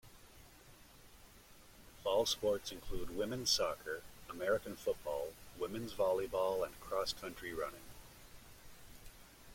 Fall sports include women's soccer, American football, women's volleyball, and cross-country running.